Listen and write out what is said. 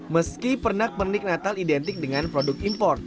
meski pernah pernik natal identik dengan produk import